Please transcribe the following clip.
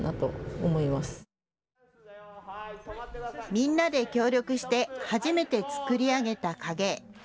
みんなで協力して初めて作り上げた影絵。